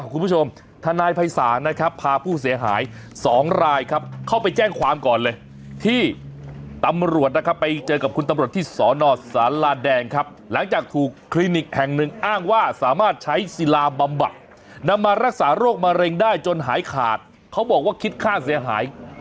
ทนายภัยศาลนะครับพาผู้เสียหายสองรายครับเข้าไปแจ้งความก่อนเลยที่ตำรวจนะครับไปเจอกับคุณตำรวจที่สอนอสาราแดงครับหลังจากถูกคลินิกแห่งหนึ่งอ้างว่าสามารถใช้ศิลาบำบัดนำมารักษาโรคมะเร็งได้จนหายขาดเขาบอกว่าคิดค่าเสียหาย